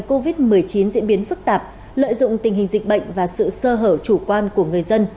covid một mươi chín diễn biến phức tạp lợi dụng tình hình dịch bệnh và sự sơ hở chủ quan của người dân